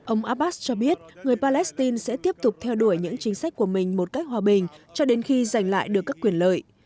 ông abbas cho biết người palestine sẽ tiếp tục theo đuổi những chính sách của mình một cách hòa bình cho đến khi giành lại được các quyền lợi